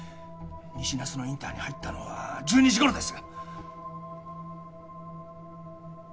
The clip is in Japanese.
西那須野インターに入ったのは１２時頃です！